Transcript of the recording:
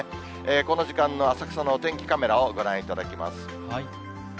この時間の浅草のお天気カメラをご覧いただきます。